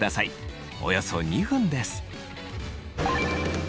およそ２分です。